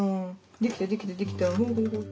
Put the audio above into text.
できたできたできた。